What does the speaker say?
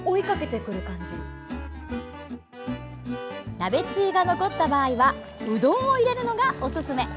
鍋つゆが残った場合はうどんを入れるのがおすすめ。